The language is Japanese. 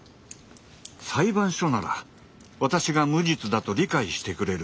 裁判所なら私が無実だと理解してくれる。